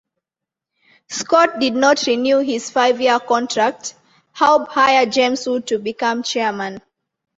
Scott did not renew his five-year contract; Haub hired James Wood to become chairman.